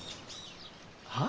はあ？